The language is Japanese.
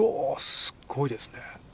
すごいですね。